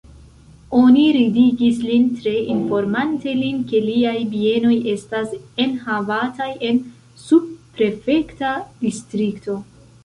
Oni ridigis lin tre, informante lin, ke liaj bienoj estas enhavataj en subprefekta distrikto.